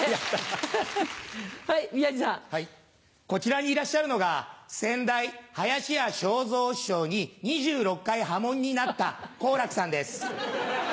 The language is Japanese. こちらにいらっしゃるのが先代林家正蔵師匠に２６回破門になった好楽さんです。